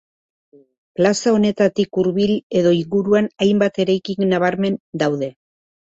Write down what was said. Plaza honetatik hurbil edo inguruan hainbat eraikin nabarmen daude.